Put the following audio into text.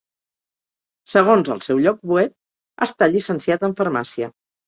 Segons el seu lloc web, està llicenciat en Farmàcia.